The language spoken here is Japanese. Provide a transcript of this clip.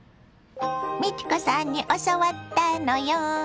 美智子さんに教わったのよ。